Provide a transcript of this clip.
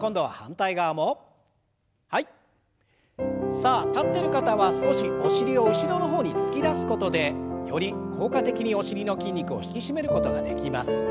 さあ立ってる方は少しお尻を後ろの方に突き出すことでより効果的にお尻の筋肉を引き締めることができます。